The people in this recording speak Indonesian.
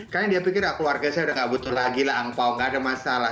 karena dia pikir ah keluarga saya udah nggak butuh lagi lah angpao nggak ada masalah